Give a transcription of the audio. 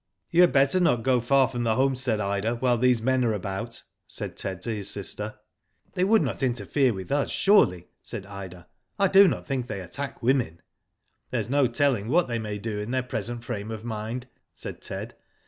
"You had better not go far from the homestead, Ida, while these men are about," said Ted to his sister. "They w^uld not interfere with us, surely," said .Ida. " I do not, think they attack women." "There is no telling what they may do in their present frame of mind," said Ted.